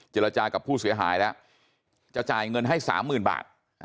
รจากับผู้เสียหายแล้วจะจ่ายเงินให้๓๐๐๐บาท